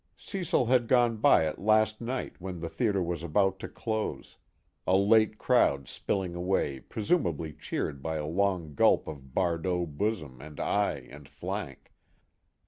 Cecil had gone by it last night when the theater was about to close, a late crowd spilling away presumably cheered by a long gulp of Bardot bosom and eye and flank.